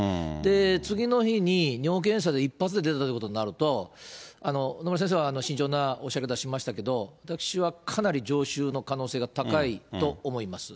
次の日に、尿検査で一発で出たということになると、野村先生は慎重なおっしゃり方をしましたけれども、私はかなり常習の可能性が高いと思います。